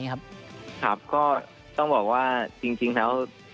ครับก็ต้องบอกว่าจริงแล้ว